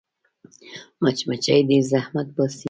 مچمچۍ ډېر زحمت باسي